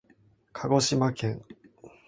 かごしまけん